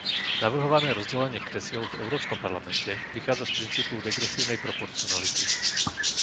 Navrhované rozdelenie kresiel v Európskom parlamente vychádza z princípu degresívnej proporcionality.